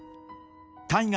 大河